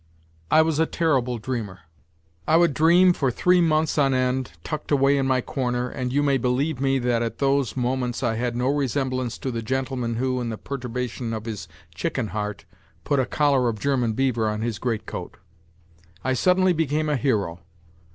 I was a terrible NOTES FROM UNDERGROUND 93 dreamer, I would dream for three months on end, tucked away in my corner, and you may believe me that at those moments I had no resemblance to the gentleman who, in the perturbation of his chicken heart, put a collar of German beaver on his great coat. I suddenly became a hero.